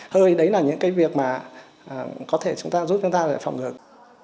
hơi đấy là những cái việc mà có thể chúng ta giúp chúng ta để phòng ngừa